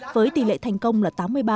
với tỷ lệ thành công là tám mươi ba